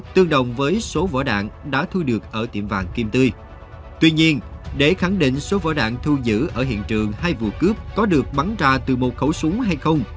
tuy nhiên để khẳng định số vỏ đạn thu giữ ở hiện trường hai vụ cướp có được bắn ra từ một khẩu súng hay không